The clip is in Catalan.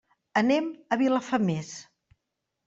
Anem a Vilafamés.